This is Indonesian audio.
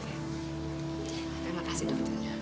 terima kasih dokter